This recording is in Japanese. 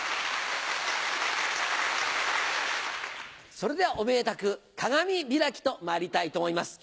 それではおめでたく鏡開きとまいりたいと思います。